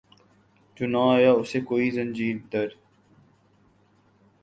جو نہ آیا اسے کوئی زنجیر در